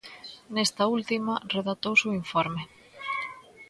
Nesta última redactouse o informe.